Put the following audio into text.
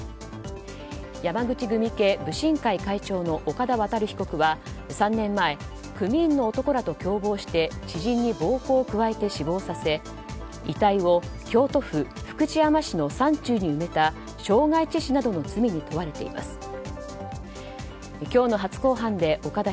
山口組系、武神会会長の岡田渉被告は３年前、組員の男らと共謀して知人に暴行を加えて死亡させ遺体を京都府福知山市の山中に埋めた傷害致死などの罪に問われています。